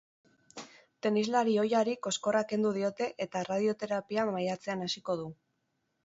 Tenislari ohiari koskorra kendu diote eta erradioterapia maiatzean hasiko du.